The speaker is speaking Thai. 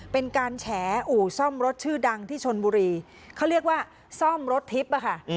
เป็นการแฉอู่ซ่อมรถชื่อดังที่ชนบุรีเขาเรียกว่าซ่อมรถทิพย์อะค่ะ